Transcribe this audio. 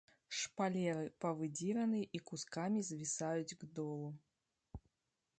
Шпалеры павыдзіраны і кускамі звісаюць к долу.